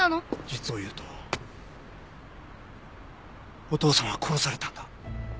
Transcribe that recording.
実を言うとお父さんは殺されたんだ。